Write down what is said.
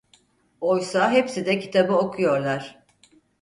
Oysa hepsi de Kitabı okuyorlar.